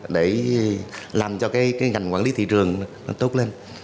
để làm cho cái ngành quản lý thị trường nó tốt lên